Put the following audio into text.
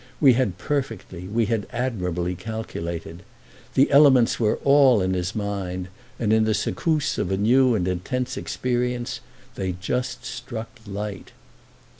We had perfectly, we had admirably calculated. The elements were all in his mind, and in the secousse of a new and intense experience they just struck light."